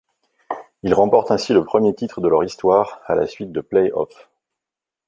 Ils remportent ainsi le premier titre de leur histoire à la suite de play-offs.